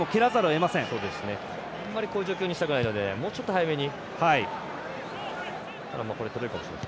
あんまりこういう状況にしたくないのでもうちょっと早めに。